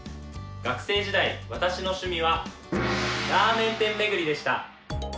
学生時代、私の趣味はラーメン店巡りでした。